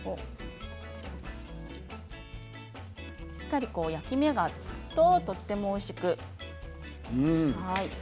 しっかり焼き目がつくととてもおいしく。